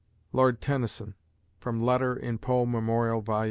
LORD TENNYSON (_From letter in Poe Memorial Vol.